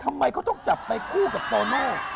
ทำไมเขาต้องจับไปคู่กับโตโน่